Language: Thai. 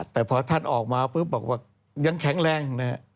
แต่พอท่านออกมาปุ๊บบอกว่ายังแข็งแรง